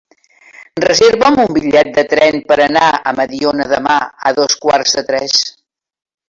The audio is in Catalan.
Reserva'm un bitllet de tren per anar a Mediona demà a dos quarts de tres.